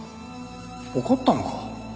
怒ったのか？